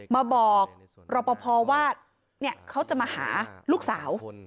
มาบอกรอปภว่าเขาจะมาหาลูกสาว